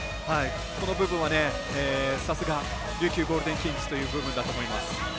この部分は、さすが琉球ゴールデンキングスだという部分だと思います。